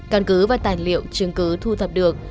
căn cứ và tài liệu chứng cứ thu thập được